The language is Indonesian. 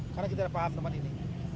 karena kita paham teman ini